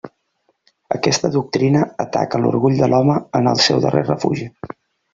Aquesta doctrina ataca l'orgull de l'home en el seu darrer refugi.